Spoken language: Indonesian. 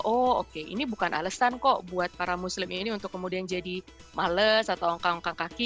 oh oke ini bukan alesan kok buat para muslim ini untuk kemudian jadi males atau ongkang ongkang kaki